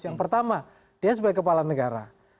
yang pertama dia sebagai kepala negara